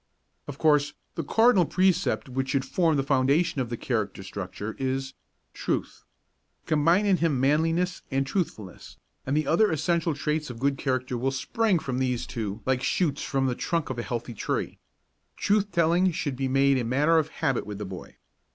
Of course, the cardinal precept which should form the foundation of the character structure is Truth. Combine in him manliness and truthfulness, and the other essential traits of good character will spring from these two like shoots from the trunk of a healthy tree. Truth telling should be made a matter of habit with the boy.